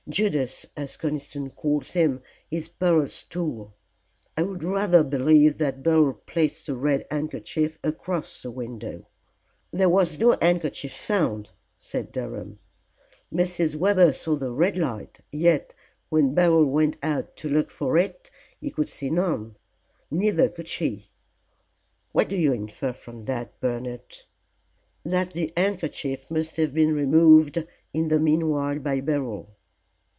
Judas as Conniston calls him is Beryl's tool. I would rather believe that Beryl placed the red handkerchief across the window." "There was no handkerchief found," said Durham. "Mrs. Webber saw the red light, yet when Beryl went out to look for it he could see none, neither could she. What do you infer from that, Bernard?" "That the handkerchief must have been removed in the meanwhile by Beryl.